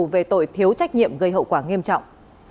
về tội thiếu trách nhiệm gây hậu quả nghiêm trọng